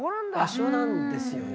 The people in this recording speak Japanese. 場所なんですよね。